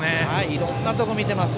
いろんなところを見ています。